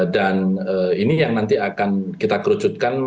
dan ini yang nanti akan kita kerucutkan